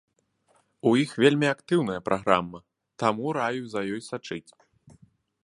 У іх вельмі актыўная праграма, таму раю за ёй сачыць.